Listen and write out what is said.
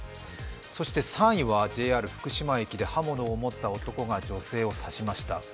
そして３位はＪＲ福島駅で刃物を持った男が女性を刺しました。